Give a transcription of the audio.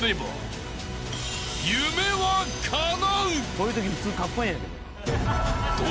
こういうとき普通カッコエエんやけどな。